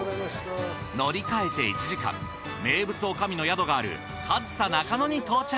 乗り換えて１時間名物女将の宿がある上総中野に到着。